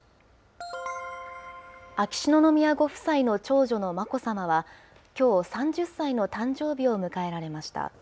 秋篠宮ご夫妻の長女の眞子さまは、きょう、３０歳の誕生日を迎えられました。